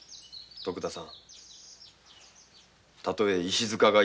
徳田さん